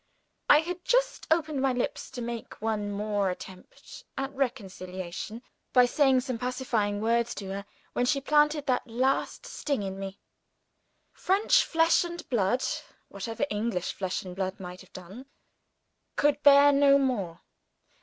I had just opened my lips to make one more attempt at reconciliation, by saying some pacifying words to her when she planted that last sting in me. French flesh and blood (whatever English flesh and blood might have done) could bear no more.